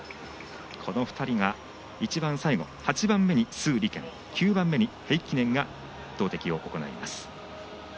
この２人が８番目に鄒莉娟９番目にヘイッキネンが投てきを行います。